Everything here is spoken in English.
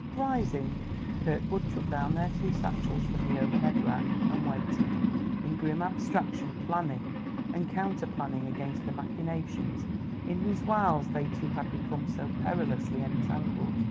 Rising, Kirkwood took down their two satchels from the overhead rack, and waited, in grim abstraction planning and counterplanning against the machinations in whose wiles they two had become so perilously entangled.